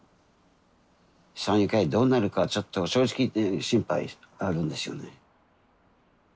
山友会どうなるかはちょっと正直言って心配あるんですよね。